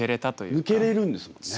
抜けれるんですもんね。